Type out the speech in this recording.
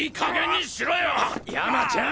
山ちゃん。